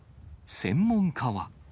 専門家は。